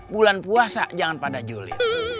bulan puasa jangan pada juli